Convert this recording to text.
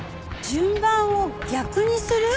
順番を逆にする？